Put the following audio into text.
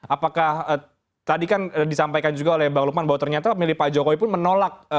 apakah tadi kan disampaikan juga oleh bang lukman bahwa ternyata pemilih pak jokowi pun menolak